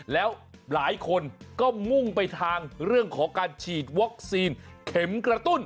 แล้วหลายคนก็มุ่งไปทางเรื่องของการฉีดวัคซีนเข็มกระตุ้น